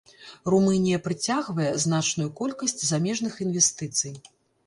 Румынія прыцягвае значную колькасць замежных інвестыцый.